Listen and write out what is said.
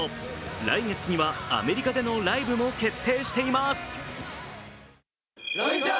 来月にはアメリカでのライブも決定しています。